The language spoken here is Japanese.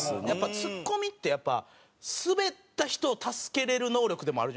ツッコミってやっぱスベった人を助けられる能力でもあるじゃないですか。